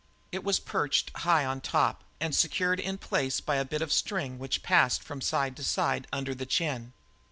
It was perched high on top, and secured in place by a bit of string which passed from side to side under the chin.